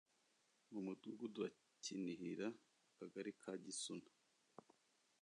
mu Mudugudu wa Kinihira Akagari ka Gisuna